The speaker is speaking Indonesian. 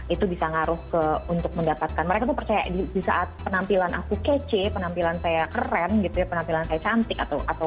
itu bisa ngaruh ke untuk mendapatkan mereka tuh percaya di saat penampilan aku kece penampilan saya keren gitu ya penampilan saya cantik atau